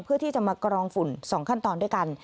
เพื่อที่จะมากรองฝุ่น๒ขั้นตอนด้วยกัน